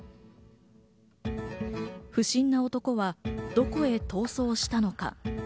不審な男はどこへ逃走したのか。